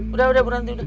udah udah buranti